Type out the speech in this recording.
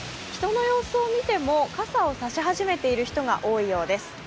人の様子を見ても傘を差し始めている人が多いようです。